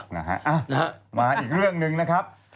นะฮะมาอีกเรื่องหนึ่งนะครับ